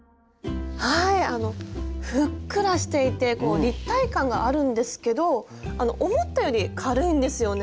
ふっくらしていて立体感があるんですけど思ったより軽いんですよね。